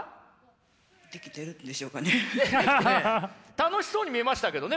楽しそうに見えましたけどね。